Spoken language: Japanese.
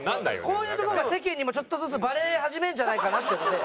こういうところが世間にもちょっとずつバレ始めるんじゃないかなって思って。